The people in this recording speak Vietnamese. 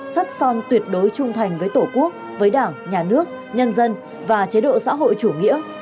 sắt son tuyệt đối trung thành với tổ quốc với đảng nhà nước nhân dân và chế độ xã hội chủ nghĩa